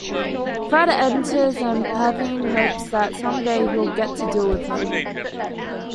Fred enters and Pavayne hopes that some day he'll get to deal with her.